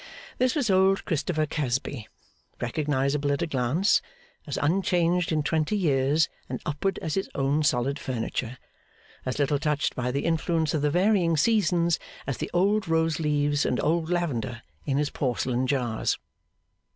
This was old Christopher Casby recognisable at a glance as unchanged in twenty years and upward as his own solid furniture as little touched by the influence of the varying seasons as the old rose leaves and old lavender in his porcelain jars.